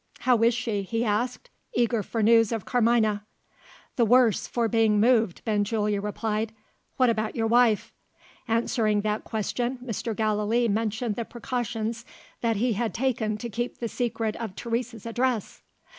"How is she?" he asked, eager for news of Carmina. "The worse for being moved," Benjulia replied. "What about your wife?" Answering that question, Mr. Gallilee mentioned the precautions that he had taken to keep the secret of Teresa's address.